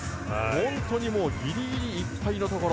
本当にギリギリいっぱいのところ。